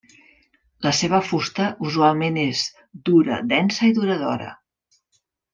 La seva fusta usualment és dura, densa i duradora.